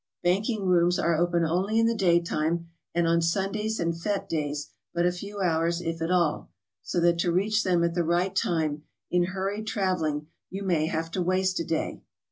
Banking rooms are open only in the daytime, and on Sundays and fete days but a few hours if at all, so that to reach them at the right time in hurried traveling you may have to waste a day.